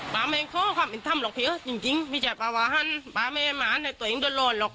ปลาแม่เขาความเป็นธรรมหรอกเพียร์จริงพี่แจ่ปลาวาฮันปลาแม่หมาในตัวเองโดนโลนหรอก